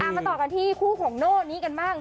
มาต่อกันที่คู่ของโน่นี้กันบ้าง